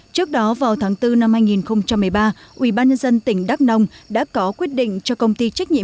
trước đó vào tháng bốn năm hai nghìn một mươi ba ủy ban nhân dân tỉnh đắk nông đã có quyết định cho công ty trách nhiệm